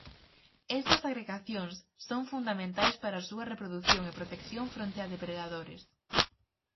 Estas agregacións son fundamentais para a súa reprodución e protección fronte a depredadores.